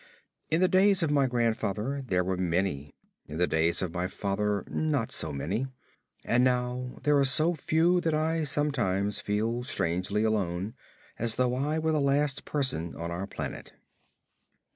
In the days of my grandfather there were many; in the days of my father not so many; and now there are so few that I sometimes feel strangely alone, as though I were the last man on our planet.